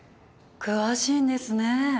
詳しいんですね。